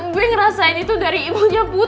gue ngerasain itu dari ibunya put